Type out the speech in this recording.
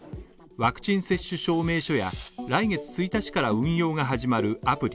ワクチン接種証明書や、来月１日から運用が始まるアプリ